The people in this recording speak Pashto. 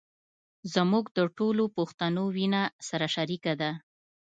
زموږ د ټولو پښتنو وينه سره شریکه ده.